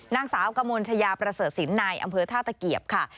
นางสาวกมลชายาประเสริฐศิลป์ในอำเภอท่าตะเกียบค่ะ